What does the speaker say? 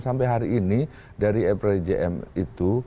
sampai hari ini dari rpjm itu